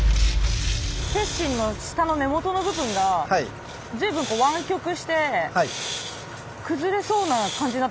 鉄心の下の根元の部分が随分こう湾曲して崩れそうな感じになってきてますね。